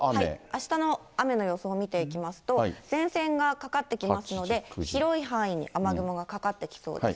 あしたの雨の予想見ていきますと、前線がかかってきますので、広い範囲に雨雲がかかってきそうです。